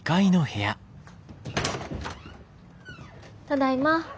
ただいま。